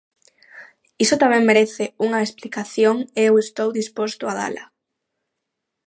Iso tamén merece unha explicación e eu estou disposto a dala.